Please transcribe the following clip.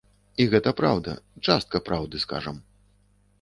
І гэта праўда, частка праўды, скажам.